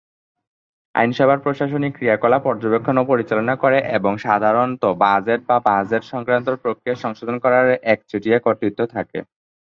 আইনসভা প্রশাসনিক ক্রিয়াকলাপ পর্যবেক্ষণ ও পরিচালনা করে এবং সাধারণত বাজেট বা বাজেট সংক্রান্ত প্রক্রিয়া সংশোধন করার একচেটিয়া কর্তৃত্ব থাকে।